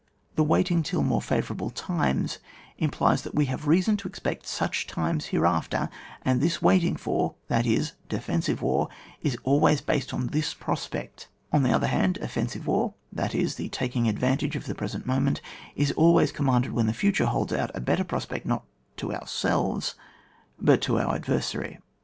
The waiting till more fwoourahle timet implies that we have reason to expect such times here after, and this waiting for, that is, de fensive war, is always based on this prospect; on the other hand, offensive war, that is, the taking advantage of the present moment, is ^ways commanded when the future holds out a better pros pect, not to oiurselves, but to oiur adver sary.